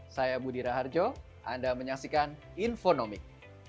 saya budi raharjo anda menyaksikan infonomik